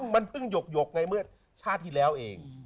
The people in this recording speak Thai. มันเพิ่งหยกในเมื่อชาติที่แล้วเอง